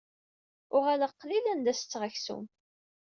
Uɣaleɣ qlil anda setteɣ aksum.